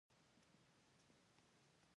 پیاله له ماشوم سره هم خندا کوي.